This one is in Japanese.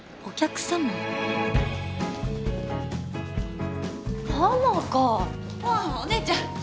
お姉ちゃん。